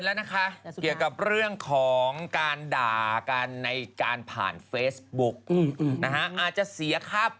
นี่อ่ะรอนมานี่ไปต่อที่เดิม